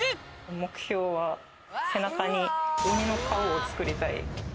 目標は背中に鬼の顔を作りたい。